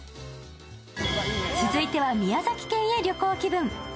続いては宮崎県へ旅行気分。